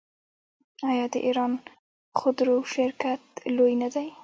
آیا د ایران خودرو شرکت لوی نه دی؟